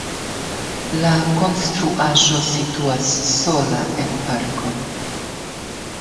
La konstruaĵo situas sola en parko.